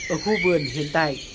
ở khu vườn hiện tại